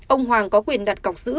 ông hoàng có quyền đặt cọc giữ